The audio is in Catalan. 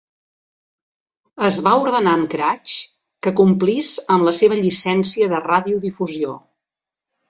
Es va ordenar a en Craig que complís amb la seva llicència de radiodifusió.